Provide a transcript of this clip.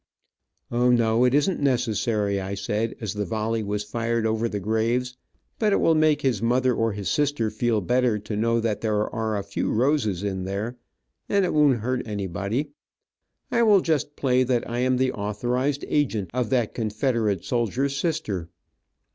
"O, no, it isn't necessary, I said, as the volley was fired over the graves, but it will make his mother or his sister feel better to know that there are a few roses in there, and it won't hurt anybody. I will just play that I am the authorized agent of that Confederate soldier's sister.